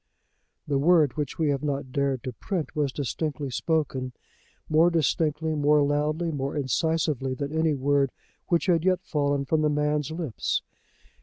The word which we have not dared to print was distinctly spoken, more distinctly, more loudly, more incisively, than any word which had yet fallen from the man's lips.